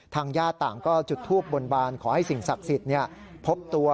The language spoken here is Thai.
ญาติต่างก็จุดทูบบนบานขอให้สิ่งศักดิ์สิทธิ์พบตัว